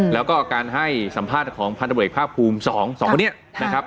แล้วก็การให้สัมภาษณ์ของพันธบทเอกภาคภูมิ๒คนนี้นะครับ